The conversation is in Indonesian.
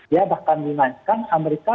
ya bahkan bunga kan amerika